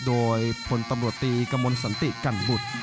โดยพลตำรวจตีกระมวลสันติกันบุตร